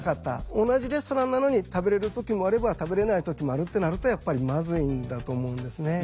同じレストランなのに食べれる時もあれば食べれない時もあるってなるとやっぱりまずいんだと思うんですね。